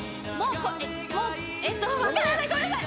もうえっと分からないごめんなさい！